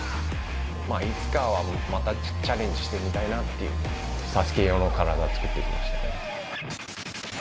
いつかはまたチャレンジしてみたいなっていう「ＳＡＳＵＫＥ」用の体を作ってきました。